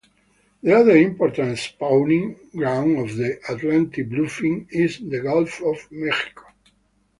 The other important spawning ground of the Atlantic bluefin is the Gulf of Mexico.